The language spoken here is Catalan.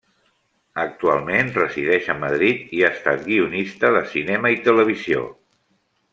Actualment resideix a Madrid i ha estat guionista de cinema i televisió.